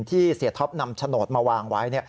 ที่เสียท็อปนำโฉนดมาวางไว้